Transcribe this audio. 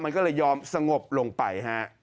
มันก็เลยยอมสงบลงไปฮะ